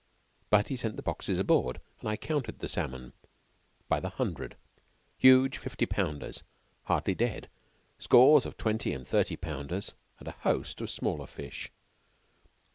But he sent the boxes aboard, and I counted the salmon by the hundred huge fifty pounders hardly dead, scores of twenty and thirty pounders, and a host of smaller fish.